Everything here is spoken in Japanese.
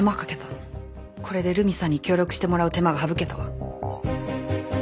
これで留美さんに協力してもらう手間が省けたわ。